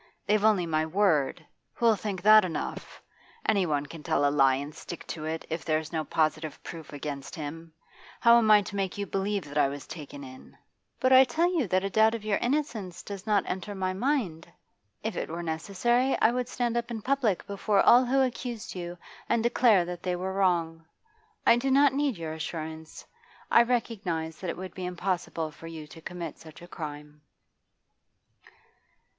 They've only my word who'll think that enough? Anyone can tell a lie and stick to it, if there's no positive proof against him. How am I to make you believe that I was taken in?' 'But I tell you that a doubt of your innocence does not enter my mind. If it were necessary, I would stand up in public before all who accused you and declare that they were wrong. I do not need your assurance. I recognise that it would be impossible for you to commit such a crime.